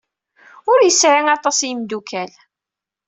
Ur yesɛi aṭas n yimeddukal.